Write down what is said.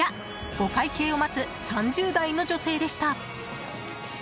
お会計を待つ３０代の女性でした。